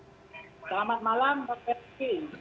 selamat malam pak ferdi